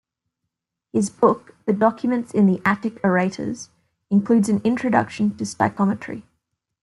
His book, "The Documents in the Attic Orators", includes an introduction to stichometry.